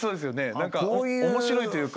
何か面白いというか。